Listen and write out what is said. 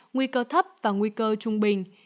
nguy cơ thấp và nguy cơ trung bình